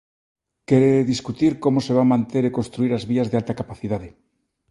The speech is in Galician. Quere discutir como se van manter e construír as vías de alta capacidade.